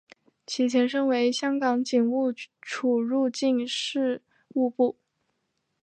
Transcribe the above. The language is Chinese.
其前身为香港警务处入境事务部。